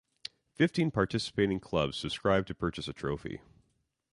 Fifteen participating clubs subscribed to purchase a trophy.